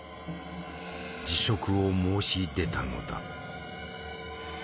辞職を申し出たのだ。